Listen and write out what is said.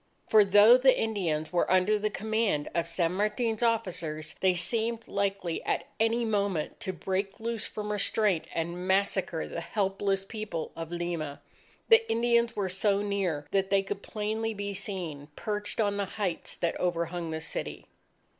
For though the Indians were under the command of San Martin's officers, they seemed likely at any moment, to break loose from restraint and massacre the helpless people of Lima. The Indians were so near that they could plainly be seen, perched on the heights that overhung the city.